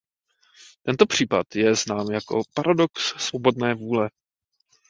Tento případ je znám jako "paradox svobodné vůle".